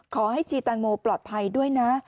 ชีแตงโมปลอดภัยด้วยนะ